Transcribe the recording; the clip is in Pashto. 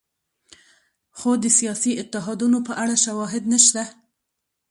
خو د سیاسي اتحادونو په اړه شواهد نشته.